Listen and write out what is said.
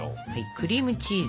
クリームチーズ。